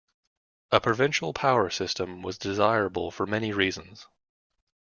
A provincial power system was desirable for many reasons.